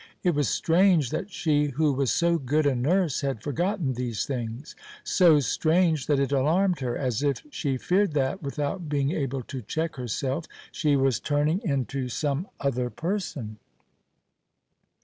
It was strange that she who was so good a nurse had forgotten these things, so strange that it alarmed her, as if she feared that, without being able to check herself, she was turning into some other person.